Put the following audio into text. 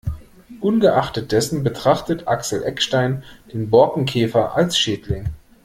Ungeachtet dessen betrachtet Axel Eckstein den Borkenkäfer als Schädling.